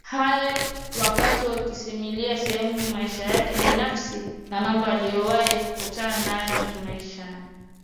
hayo wakati akisimulia sehemu ya maisha yake binafsi na mambo aliyowahi kukutana nayo maishani